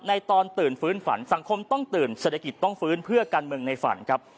ตอนตื่นฟื้นฝันสังคมต้องตื่นเศรษฐกิจต้องฟื้นเพื่อการเมืองในฝันครับ